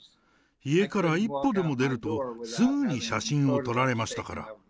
家から一歩でも出ると、すぐに写真を撮られましたから。